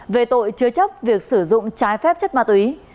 về tội chứa chấp việc sử dụng trái phép chất ma túy